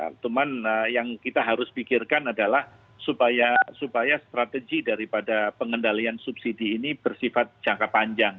cuman yang kita harus pikirkan adalah supaya strategi daripada pengendalian subsidi ini bersifat jangka panjang